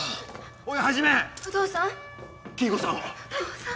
おい！